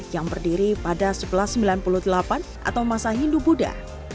yang berdiri pada seribu sembilan ratus sembilan puluh delapan atau masa hindu buddha